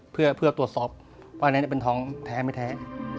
เพื่อตรวจสอบว่าอันนั้นเป็นท้องแท้ไม่แท้